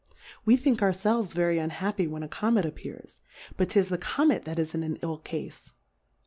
We think our felves very unhappy when a Comet appears, but 'tis the Comet that is in an ill Cafe.